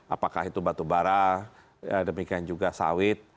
apakah itu batubara demikian juga sawit